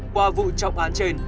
qua vụ trọng án trên